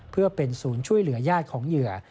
เพื่อเป็นศูนย์ช่วยเหลือญาติของเหยื่อ